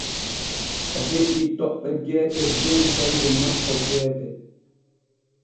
O heɓii toɓɓe geete dow jande makko geete.